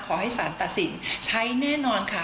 ขอให้สารตัดสินใช้แน่นอนค่ะ